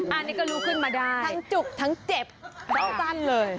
อันนี้ก็ลุกขึ้นมาได้ทั้งจุกทั้งเจ็บทั้งสั้นเลย